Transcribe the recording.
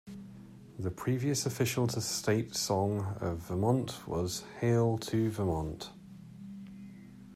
The previous official state song of Vermont was "Hail to Vermont!".